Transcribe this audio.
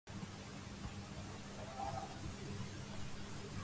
صرف ایک احمق ہی اپنی اہلیہ کے ساتھ ہر معاملے پر بات نہیں کرتا وزیراعظم